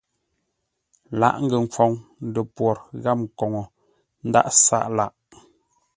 Lǎghʼ ngəkhwoŋ, ndəpwor gháp nkoŋə ndǎghʼ sáʼ lâʼ.